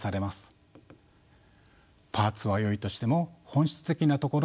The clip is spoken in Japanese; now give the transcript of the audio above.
パーツはよいとしても本質的なところが欠落しています。